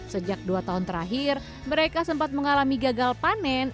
sejak dua tahun terakhir mereka sempat mengalami gagal panen